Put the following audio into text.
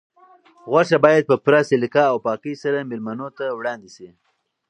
غوښه باید په پوره سلیقه او پاکۍ سره مېلمنو ته وړاندې شي.